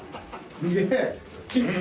すげえ！